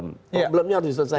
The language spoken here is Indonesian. masalahnya harus diselesaikan